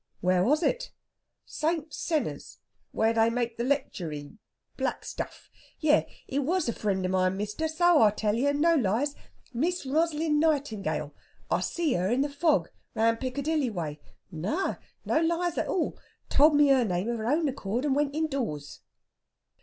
"Where was it?" "St. Senna's, where they make the lectury black stuff.... Yes, it was a friend o' mine, mister, so I tell you, and no lies! Miss Rosalind Nightingale. I see her in the fog round Piccadilly way.... No, no lies at all! Told me her name of her own accord, and went indoors."